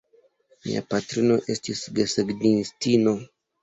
Mia patrino estis desegnistino.